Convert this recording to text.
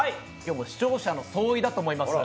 視聴者の総意だと思います。